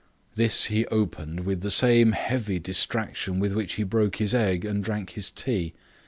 This he opened with the same heavy distraction with which he broke his egg and drank his tea.